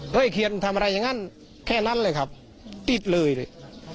เคียนทำอะไรอย่างนั้นแค่นั้นเลยครับติดเลยเลย